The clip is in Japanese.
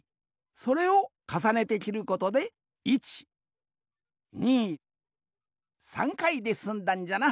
それをかさねてきることで１２３回ですんだんじゃな。